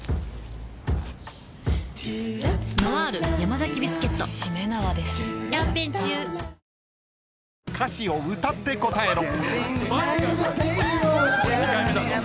花王［歌詞を歌って答えろ］